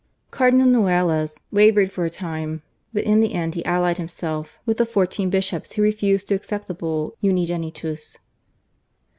Cardinal Noailles wavered for a time, but in the end he allied himself with the fourteen bishops who refused to accept the Bull /Unigenitus